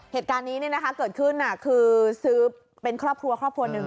เหตุการณ์นี้เกิดขึ้นคือซื้อเป็นครอบครัวครอบครัวหนึ่ง